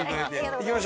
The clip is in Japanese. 行きましょう。